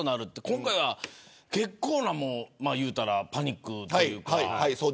今回は結構なパニックというか。